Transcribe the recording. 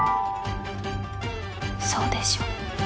そうでしょ？